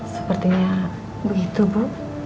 sepertinya begitu bu